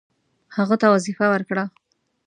هغه ته وظیفه ورکړه.